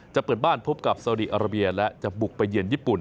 จะเปิดบ้านพบกับสาวดีอาราเบียและจะบุกไปเยือนญี่ปุ่น